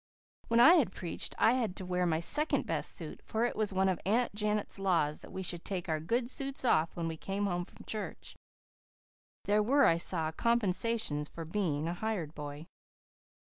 When I preached I had to wear my second best suit, for it was one of Aunt Janet's laws that we should take our good suits off when we came home from church. There were, I saw, compensations for being a hired boy.